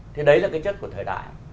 thì đấy là cái chất của thời đại